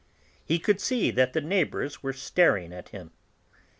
He could see that the neighbours were staring at him.